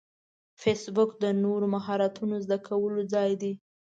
فېسبوک د نوو مهارتونو زده کولو ځای دی